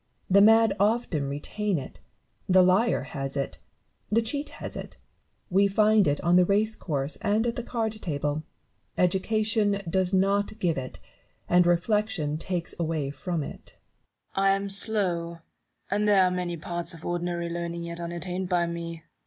The mad often retain it ; the liar has it, the cheat has it ; we find it on the race course and at the card table : education does not give it, and reflection takes away from it. Newton. I am slow ; and there are many parts of ordinary learning yet unattained by me.